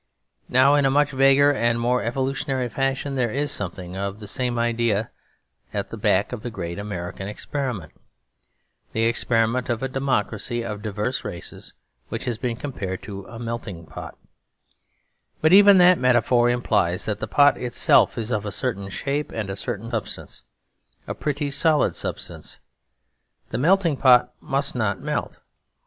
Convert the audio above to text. Now in a much vaguer and more evolutionary fashion, there is something of the same idea at the back of the great American experiment; the experiment of a democracy of diverse races which has been compared to a melting pot. But even that metaphor implies that the pot itself is of a certain shape and a certain substance; a pretty solid substance. The melting pot must not melt.